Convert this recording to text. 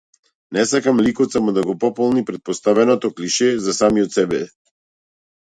Не сакам ликот само да го пополни претпоставеното клише за самиот себе.